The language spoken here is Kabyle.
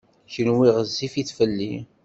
Kenwi ɣezzifit fell-i.